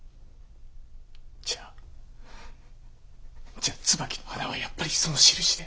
じゃあじゃ椿の花はやっぱりそのしるしで？